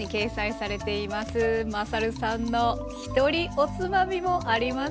まさるさんのひとりおつまみもありますよ。